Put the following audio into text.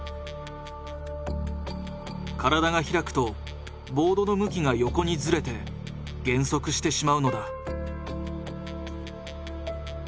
体が開くとボードの向きが横にズレて減速してしまうのだ。